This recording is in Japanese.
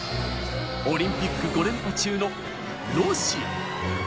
オリンピック５連覇中のロシア。